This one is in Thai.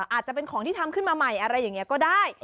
อาจจะเป็นของที่ทำขึ้นมาใหม่อะไรอย่างนี้ก็ได้